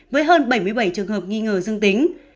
với hơn bảy mươi bảy trường hợp nghi ngờ dương tính